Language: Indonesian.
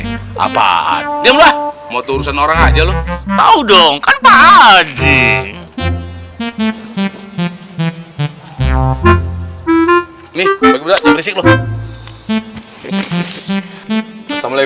balance bah chemistry udah kalaure karena ni